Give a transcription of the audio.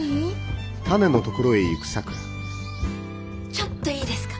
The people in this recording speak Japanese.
ちょっといいですか？